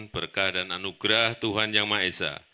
berkah dan anugerah tuhan yang maha esa